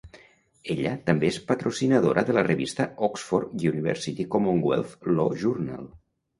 Ella també és patrocinadora de la revista "Oxford University Commonwealth Law Journal".